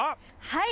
はい。